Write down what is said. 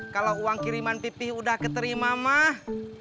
kalau uang kiriman pipih udah keterima mah